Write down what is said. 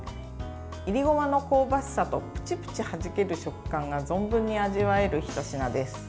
いりごまの香ばしさとプチプチはじける食感が存分に味わえるひと品です。